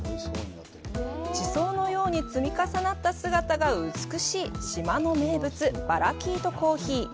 地層のように積み重なった姿が美しい島の名物、バラキートコーヒー。